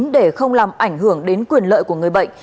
để không làm ảnh hưởng đến quyền lợi của người bệnh